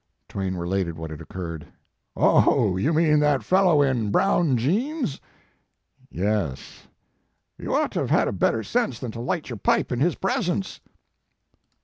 Twain related what had occurred. "Oh, you mean that fellow in brown jeans?" "Yes." l You ought to have had better sense than to light your pipe in his presence."